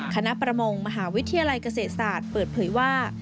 ประมงมหาวิทยาลัยเกษตรศาสตร์เปิดเผยว่า